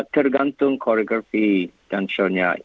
tergantung koreografi dan show nya